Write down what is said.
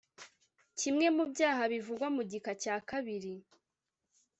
kimwe mu byaha bivugwa mu gika cya kabiri